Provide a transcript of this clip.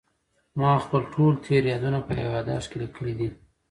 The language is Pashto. ما خپل ټول تېر یادونه په یو یادښت کې لیکلي دي.